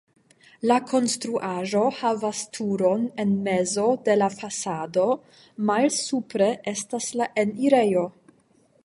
La konstruaĵo havas turon en mezo de la fasado, malsupre estas la enirejo.